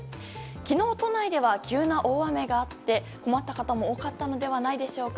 昨日、都内では急な大雨があって困った方も多かったのではないでしょうか。